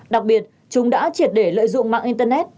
đặc biệt chúng đã triệt để lợi dụng mạng internet